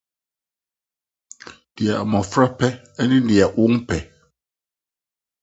Nea Mmofra Pɛ ne Nea Wɔmpɛ